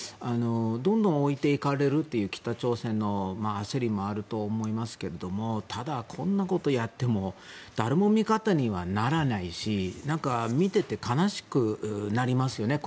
どんどん置いていかれるという北朝鮮の焦りもあると思いますけれどもただ、こんなことをやっても誰も味方にはならないし見ていて悲しくなりますよね。